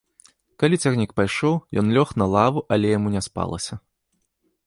Калі цягнік пайшоў, ён лёг на лаву, але яму не спалася.